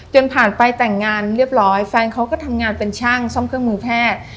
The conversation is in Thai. ผ่านไปแต่งงานเรียบร้อยแฟนเขาก็ทำงานเป็นช่างซ่อมเครื่องมือแพทย์